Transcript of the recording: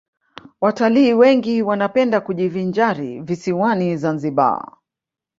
watalii wengi wanapenda kujivinjari visiwani zanzibar